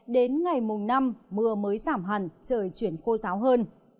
đến ngày mùng năm mưa mới giảm hẳn trời chuyển khô ráo hơn